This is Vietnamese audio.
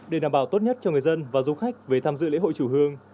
để đảm bảo tốt nhất cho người dân và du khách về tham dự lễ hội chùa hương